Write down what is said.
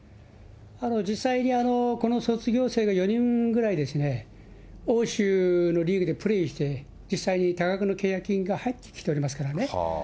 実際にこの卒業生が４人ぐらいですね、欧州のリーグでプレーして、実際に多額の契約金が入ってきておりますからね。